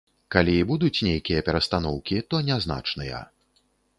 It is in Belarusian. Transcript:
Калі і будуць нейкія перастаноўкі, то нязначныя.